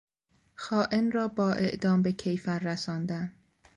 خائن را با اعدام به کیفر رساندن